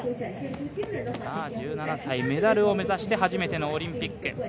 １７歳、メダルを目指して初めてのオリンピック。